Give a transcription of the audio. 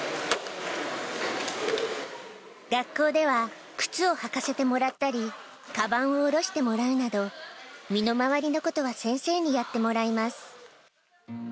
学校では、靴を履かせてもらったり、かばんを下ろしてもらうなど、身の回りのことは先生にやってもらいます。